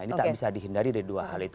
ini tak bisa dihindari dari dua hal itu